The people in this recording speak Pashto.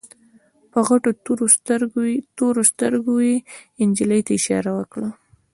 په غټو تورو سترګو يې نجلۍ ته اشاره وکړه.